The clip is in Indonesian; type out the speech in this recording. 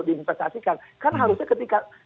diinvestasikan kan harusnya ketika